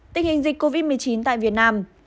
tình hình dịch covid một mươi chín tại việt nam